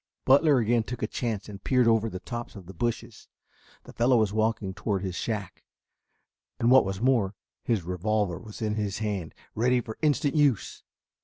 Butler again took a chance and peered over the tops of the bushes. The fellow was walking toward his shack, and what was more, his revolver was in his hand ready for instant use.